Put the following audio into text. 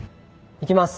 いきます。